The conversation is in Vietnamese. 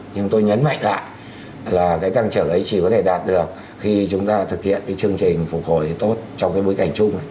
nhưng tôi nhấn mạnh lại là cái tăng trưởng ấy chỉ có thể đạt được khi chúng ta thực hiện cái chương trình phục hồi tốt trong cái bối cảnh chung